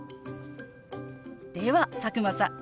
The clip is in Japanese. では佐久間さん